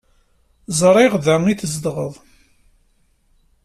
Ẓriɣ da ay tzedɣeḍ.